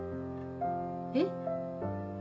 えっ？